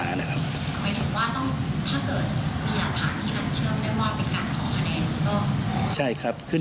หมายถึงว่าถ้าเกิดมีหลักฐานที่หันเชิงได้มอบสินค้าขอคะแนนก็